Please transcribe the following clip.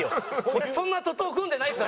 俺そんな徒党組んでないです